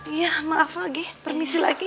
iya maaf lagi permisi lagi